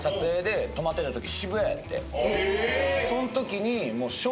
そんときに。